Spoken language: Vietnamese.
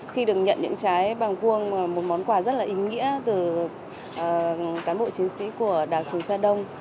khi được nhận những trái bàn vuông là một món quà rất là ý nghĩa từ cán bộ chiến sĩ của đảo trường sa đông